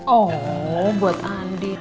oh buat andi